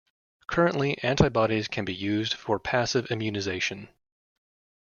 Currently, antibodies can be used for passive immunization.